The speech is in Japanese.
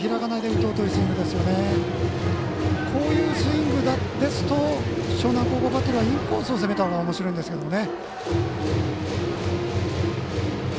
こういうスイングですと樟南高校バッテリーはインコースを攻めたほうがおもしろいんですけどね。